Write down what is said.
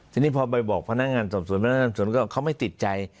ทีนี้พอไปบอกพนักงานก็ไม่ติดใจ